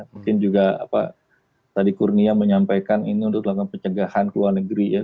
mungkin juga apa tadi kurnia menyampaikan ini untuk melakukan pencegahan keluar negeri ya